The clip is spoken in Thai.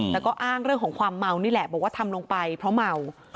แต่ก็อ้างเรื่องของความเมานี่แหละบอกว่าทำลงไปเพราะเมา